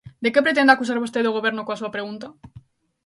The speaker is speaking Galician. ¿De que pretende acusar vostede o Goberno coa súa pregunta?